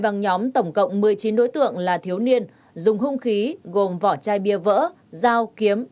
băng nhóm tổng cộng một mươi chín đối tượng là thiếu niên dùng hung khí gồm vỏ chai bia vỡ dao kiếm